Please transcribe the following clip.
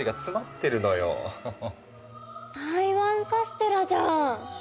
台湾カステラじゃん！